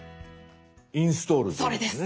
「インストール」でいいんですね。